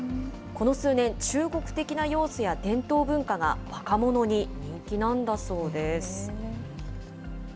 この数年、中国的な要素や伝統文化が若者に人気なんだそうです。